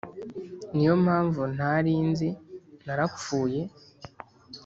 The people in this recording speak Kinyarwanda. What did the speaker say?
ni yo mpamvu ntari nzi, narapfuye